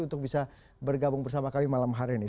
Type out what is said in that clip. untuk bisa bergabung bersama kami malam hari ini